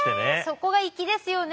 そこが粋ですよね。